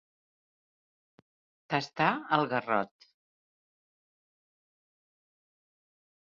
Tastar el garrot.